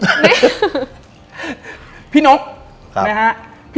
ดิงกระพวน